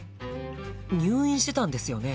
入院してたんですよね？